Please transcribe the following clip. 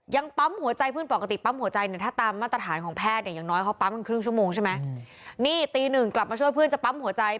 ปั๊มหัวใจเพื่อนปกติปั๊มหัวใจเนี่ยถ้าตามมาตรฐานของแพทย์เนี่ยอย่างน้อยเขาปั๊มกันครึ่งชั่วโมงใช่ไหมนี่ตีหนึ่งกลับมาช่วยเพื่อนจะปั๊มหัวใจ